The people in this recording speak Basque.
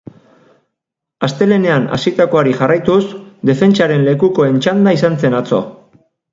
Astelehenean hasitakoari jarraituz, defentsaren lekukoen txanda izan zen atzo.